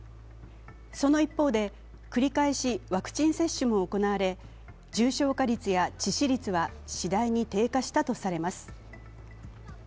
その一方で繰り返しワクチン接種も行われ重症化率や致死率は次第に低下したとされます。